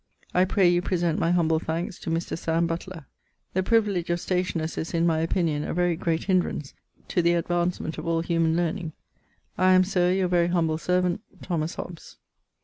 'I pray you present my humble thankes to Mr. Sam. Butler. 'The privilege of stationers is, in my opinion, a very great hinderance to the advancement of all humane learning. 'I am, sir, your very humble servant, 'Th. Hobbes.'